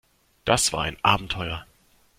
Das war ein Abenteuer.